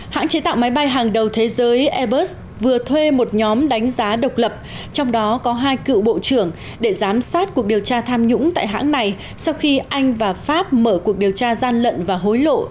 hãng chế tạo máy bay hàng đầu thế giới airbus vừa thuê một nhóm đánh giá độc lập trong đó có hai cựu bộ trưởng để giám sát cuộc điều tra tham nhũng tại hãng này sau khi anh và pháp mở cuộc điều tra gian lận và hối lộ